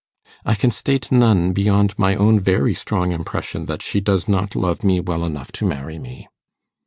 'I can state none beyond my own very strong impression that she does not love me well enough to marry me.